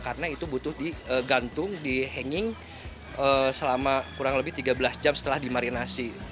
karena itu butuh digantung dihanging selama kurang lebih tiga belas jam setelah dimarinasi